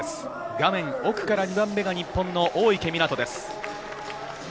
画面奥から２番目が日本の大池水杜です。